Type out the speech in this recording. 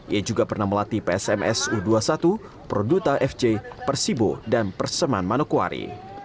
ia juga pernah melatih psms u dua puluh satu produta fc persibo dan perseman manokwari